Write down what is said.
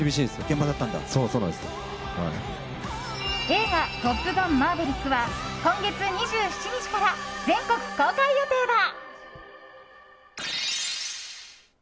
映画「トップガンマーヴェリック」は今月２７日から全国公開予定だ。